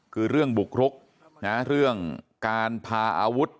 คือเรื่องบุกรุกนะเรื่องการพาอาวุธ